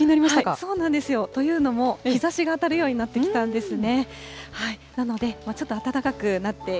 そうなんですよ、というのも日ざしが当たるようになってきたんですね。